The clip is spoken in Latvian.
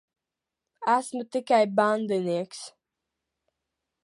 Esmu tikai bandinieks.